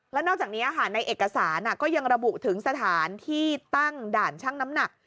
แล้วนอกจากนี้ในเอกสารก็ยังระบุถึงสถานที่ตั้งด่านช่างน้ำหนัก